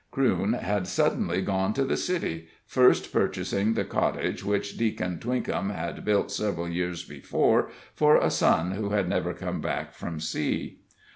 Crewne had suddenly gone to the city, first purchasing the cottage which Deacon Twinkham had built several years before for a son who had never come back from sea.